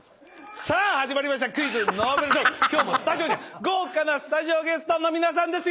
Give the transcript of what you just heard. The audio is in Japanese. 始まりました『クイズ！脳ベルＳＨＯＷ』今日もスタジオには豪華なスタジオゲストの皆さんです。